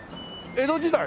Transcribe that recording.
江戸時代？